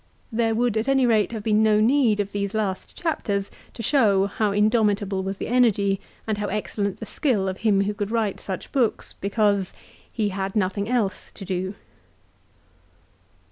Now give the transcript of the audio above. There would at any rate have been no need of these last chapters to show how indomitable was the energy and how excellent the skill of him who could write such books, because he had nothing else to do.